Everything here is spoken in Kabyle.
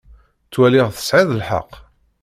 Ttwaliɣ tesɛiḍ lḥeqq.